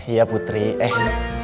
iya putri eh